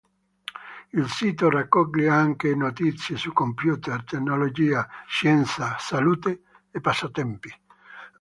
Il sito raccoglie anche notizie su computer, tecnologia, scienza, salute e passatempi.